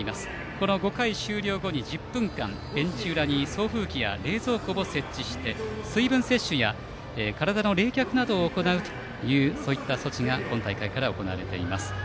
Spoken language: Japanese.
この５回終了後に１０分間ベンチ裏に送風機や冷蔵庫を設置して水分摂取や体の冷却などを行うという措置が今大会から行われています。